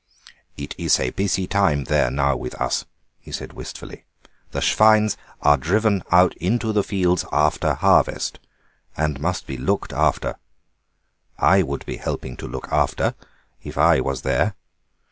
"It is a busy time there now with us," he said wistfully; "the schwines are driven out into the fields after harvest, and must be looked after. I could be helping to look after if I was there.